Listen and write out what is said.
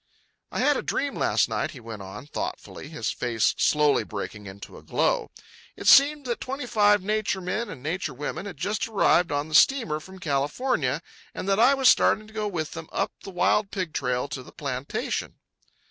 "I had a dream last night," he went on thoughtfully, his face slowly breaking into a glow. "It seemed that twenty five nature men and nature women had just arrived on the steamer from California, and that I was starting to go with them up the wild pig trail to the plantation."